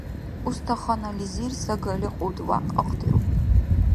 Устаханализир сагали кьутӀ-вякь ахъдиуб.